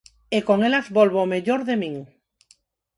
e con elas volvo ao mellor de min.